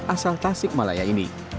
asal tasik malaya ini